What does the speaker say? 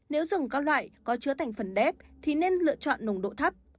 nếu dùng các loại có chứa thành phần ép thì nên lựa chọn nồng độ thấp